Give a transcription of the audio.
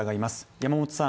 山本さん。